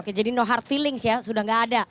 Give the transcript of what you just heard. oke jadi no hard feelings ya sudah nggak ada